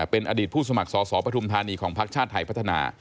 เป็นอดีตผู้สมัครสอสอปฐุมธานีของพักชาติไทยพัฒนา